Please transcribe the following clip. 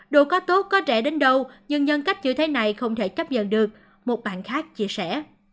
đồ có tốt có trẻ đến đâu nhưng nhân cách chữa thế này không thể chấp nhận được một bạn khác chia sẻ